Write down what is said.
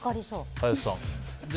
林さん